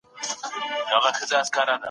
علم د پرمختګ او سوکالۍ کیلي ده.